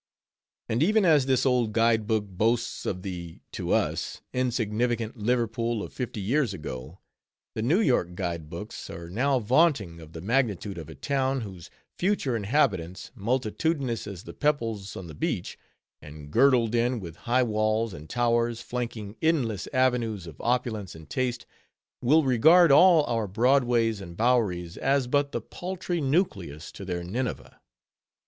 And even as this old guide book boasts of the, to us, insignificant Liverpool of fifty years ago, the New York guidebooks are now vaunting of the magnitude of a town, whose future inhabitants, multitudinous as the pebbles on the beach, and girdled in with high walls and towers, flanking endless avenues of opulence and taste, will regard all our Broadways and Bowerys as but the paltry nucleus to their Nineveh.